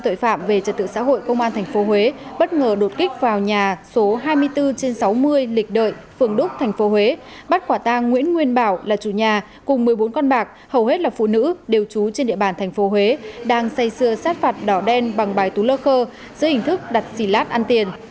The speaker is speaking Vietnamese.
tội phạm về trật tự xã hội công an tp huế bất ngờ đột kích vào nhà số hai mươi bốn trên sáu mươi lịch đợi phường đúc thành phố huế bắt quả tang nguyễn nguyên bảo là chủ nhà cùng một mươi bốn con bạc hầu hết là phụ nữ đều trú trên địa bàn tp huế đang xây xưa sát phạt đỏ đen bằng bài tú lót khe dưới hình thức đặt xỉ lát ăn tiền